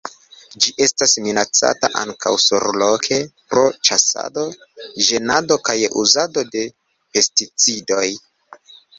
Ĝi estas minacata ankaŭ surloke pro ĉasado, ĝenado kaj uzado de pesticidoj.